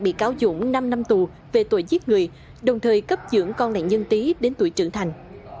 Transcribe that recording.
bị cáo dũng năm năm tù về tội giết người đồng thời cấp dưỡng con nạn nhân tí đến tuổi trưởng thành